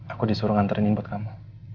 aku disuruh nganterin buat kamu